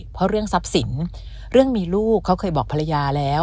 เพราะเรื่องทรัพย์สินเรื่องมีลูกเขาเคยบอกภรรยาแล้ว